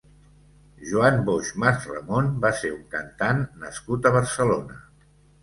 Joan Boix Masramon va ser un cantant nascut a Barcelona.